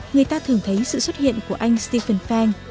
người ta thường thấy sự xuất hiện của anh stephen fang